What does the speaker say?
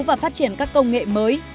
và phát triển các công nghệ mới